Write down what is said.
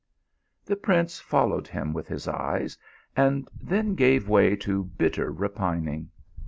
The prince followed him with his eyes, and then gave way to bitter repining.